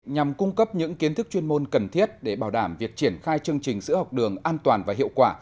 nhằm cung cấp những kiến thức chuyên môn cần thiết để bảo đảm việc triển khai chương trình sữa học đường an toàn và hiệu quả